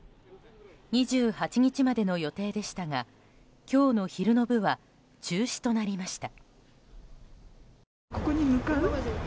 ２８日までの予定でしたが今日の昼の部は中止となりました。